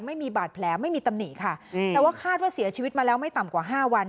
ไม่มีบาดแผลไม่มีตำหนิค่ะแต่ว่าคาดว่าเสียชีวิตมาแล้วไม่ต่ำกว่าห้าวัน